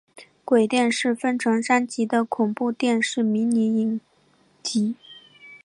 鬼店是分成三集的恐怖电视迷你影集。